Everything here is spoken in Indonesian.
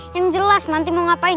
yang jelas nanti mau ngapain